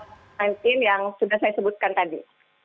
covid sembilan belas yang sudah saya sebutkan tadi